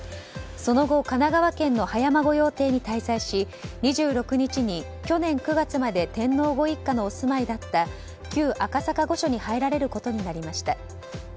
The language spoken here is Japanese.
その後、神奈川県の葉山御用邸に滞在し、２６日に去年９月まで天皇ご一家のお住まいだった旧赤坂御所に入られることになりました。